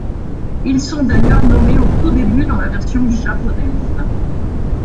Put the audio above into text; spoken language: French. Ils sont d'ailleurs nommés au tout début dans la version japonaise.